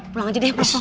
pulang aja deh